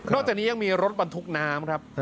จากนี้ยังมีรถบรรทุกน้ำครับ